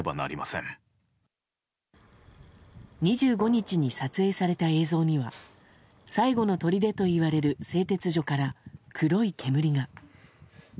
２５日に撮影された映像には最後のとりでといわれる製鉄所から黒い煙が。